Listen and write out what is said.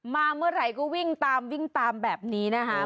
มาเมื่อไหร่ก็วิ่งตามวิ่งตามแบบนี้นะคะ